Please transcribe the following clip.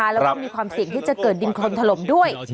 แล้วก็มีความเสี่ยงที่จะเกิดดินโครนถล่มด้วย